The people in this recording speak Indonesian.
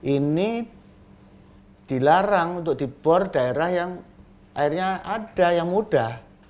ini dilarang untuk dibor daerah yang akhirnya ada yang mudah